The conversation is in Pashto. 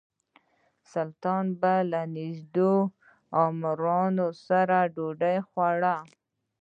سلطان به له خپلو نژدې امراوو سره ډوډۍ خوړه.